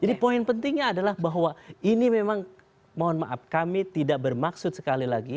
jadi poin pentingnya adalah bahwa ini memang mohon maaf kami tidak bermaksud sekali lagi